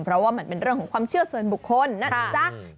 เพราะว่ามันเป็นเรื่องของความเชื่อส่วนบุคคลนะจ๊ะ